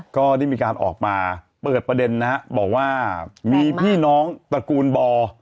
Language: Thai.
ก็ได้มีการออกมาเปิดประเด็นนะฮะบอกว่ามีพี่น้องตระกูลบ่อ